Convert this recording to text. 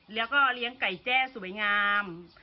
แล้วก็เลี้ยงไก่แจ้สวยงาม